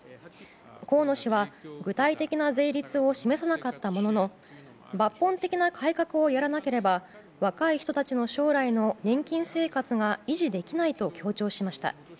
河野氏は、具体的な税率を示さなかったものの抜本的な改革をやらなければ若い人たちの将来の年金生活が維持できないと強調しました。